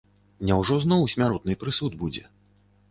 Няўжо зноў смяротны прысуд будзе?